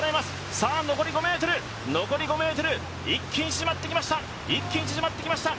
さあ残り５ｍ、一気に縮まってきました。